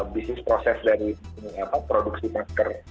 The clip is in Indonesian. bisnis proses dari produksi masker